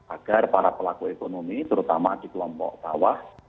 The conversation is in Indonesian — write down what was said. agar para pelaku ekonomi terutama di kelompok bawah